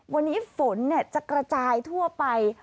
วันนี้ฝนจะกระจายทั่วไป